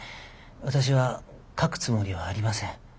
私は書くつもりはありません。